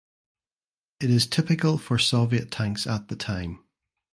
It is typical for Soviet tanks at the time.